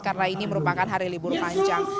karena ini merupakan hari libur panjang